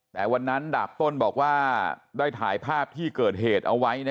แต่วันนั้นดาบต้นบอกว่าได้ถ่ายภาพที่เกิดเหตุเอาไว้